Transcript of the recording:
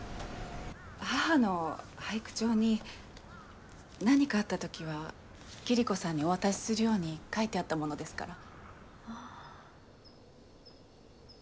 母の俳句帳に何かあった時は桐子さんにお渡しするように書いてあったものですから。